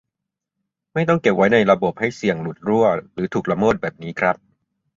ไม่ต้องเก็บไว้ในระบบให้เสี่ยงหลุดรั่วหรือถูกละเมิดแบบนี้ครับ